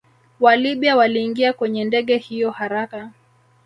WaLibya waliingia kwenye ndege hiyo haraka